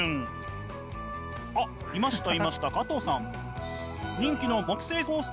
あっいましたいました加藤さん。